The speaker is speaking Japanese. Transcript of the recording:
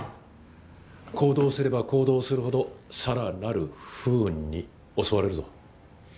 行動すれば行動するほどさらなる不運に襲われるぞ。